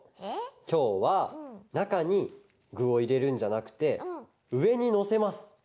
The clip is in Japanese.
きょうはなかにぐをいれるんじゃなくてうえにのせます。